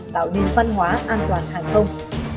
tạo nên văn hóa an toàn hàng không